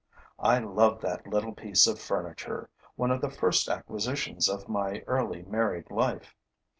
I love that little piece of furniture, one of the first acquisitions of my early married life.